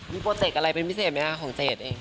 มีโปรเจกต์อะไรเป็นพิเศษไหมคะของเจดเอง